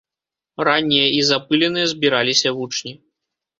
Раннія і запыленыя збіраліся вучні.